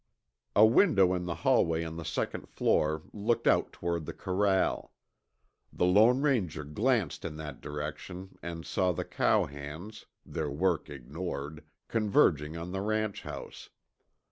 A window in the hallway on the second floor looked out toward the corral. The Lone Ranger glanced in that direction and saw the cowhands, their work ignored, converging on the ranch house.